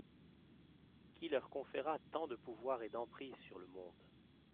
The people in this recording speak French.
Qui leur conféra tant de pouvoirs et d’emprise sur le monde.